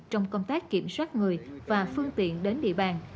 trong công tác kiểm soát người và phương pháp